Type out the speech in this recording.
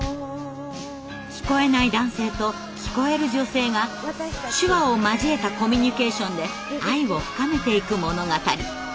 聞こえない男性と聞こえる女性が手話を交えたコミュニケーションで愛を深めていく物語。